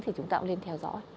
thì chúng ta cũng nên theo dõi